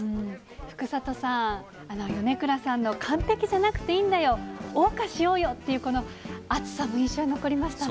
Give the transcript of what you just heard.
福里さん、米倉さんの、完璧じゃなくていいんだよ、おう歌しようよという、この熱さも印象に残りましたね。